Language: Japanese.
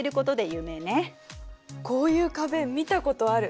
こういう壁見たことある。